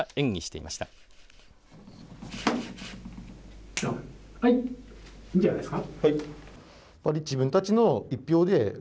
いいんじゃないですか。